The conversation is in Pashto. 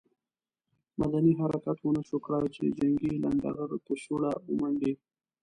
مدني حرکت ونه شو کړای چې جنګي لنډه غر په سوړه ومنډي.